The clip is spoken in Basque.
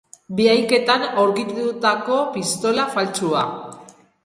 Miaketan aurkitutako pistola faltsua.